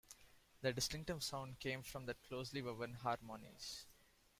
Their distinctive sound came from their closely woven harmonies.